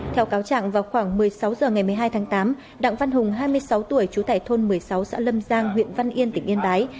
theo cáo trạng vào khoảng một mươi sáu h ngày một mươi hai tháng tám đặng văn hùng hai mươi sáu tuổi trú tại thôn một mươi sáu xã lâm giang huyện văn yên tỉnh yên bái